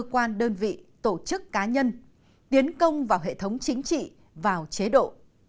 cơ quan đơn vị tổ chức cá nhân tiến công vào hệ thống chính trị vào chế độ